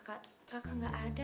kakak gak ada